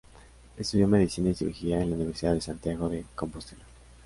Estudió Medicina y Cirugía en la Universidad de Santiago de Compostela.